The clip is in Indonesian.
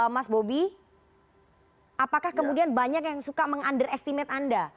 mas bobby apakah kemudian banyak yang suka meng underestimate anda